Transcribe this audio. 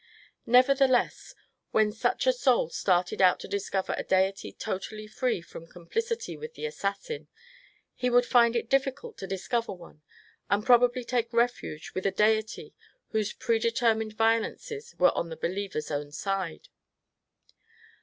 Nevertheless, when such a soul started out to discover a deity totally free from com plicity with the assassin, he would find it difficult to discover one, and probably take refuge with a deity whose predeter mined violences were on the believer's own side.